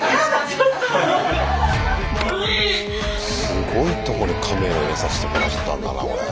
すごいところカメラ入れさしてもらったんだなこれ。